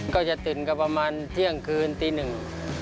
ก็จะตื่นก็ประมาณเที่ยงคืนตีหนึ่ง